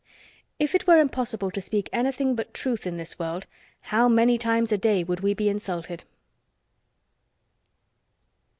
If it were impossible to speak anything but truth in this world how many times a day would we be insulted.